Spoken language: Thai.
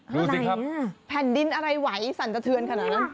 อะไรแผ่นดินอะไรไหวสั่นสะเทือนขนาดนั้น